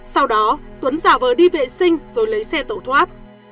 sau đó tuấn giả vờ đi vệ sinh rồi lấy xe tẩu thoát